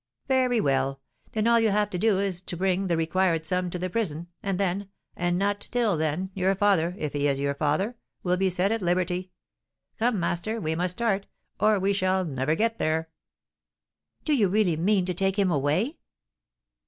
"Very well; then all you have to do is to bring the required sum to the prison, and then, and not till then, your father if he is your father will be set at liberty. Come, master, we must start, or we never shall get there." "Do you really mean to take him away?"